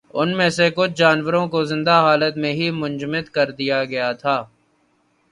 ان میں سے کچھ جانوروں کو زندہ حالت میں ہی منجمد کردیا گیا تھا۔